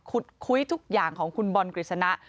คุยทุกอย่างของคุณบอลกฤษณะ